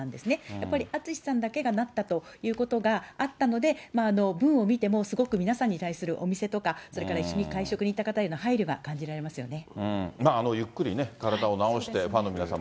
やっぱりＡＴＳＵＳＨＩさんだけがなったということがあったので、文を見てもすごく皆さんに対するお店とか、それから一緒に会食に行った方への配慮が感じられますよね。